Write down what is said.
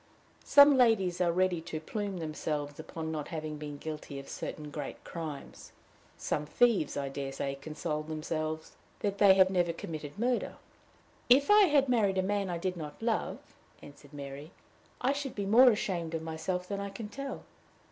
Some ladies are ready to plume themselves upon not having been guilty of certain great crimes. Some thieves, I dare say, console themselves that they have never committed murder. "If I had married a man I did not love," answered Mary, "I should be more ashamed of myself than I can tell."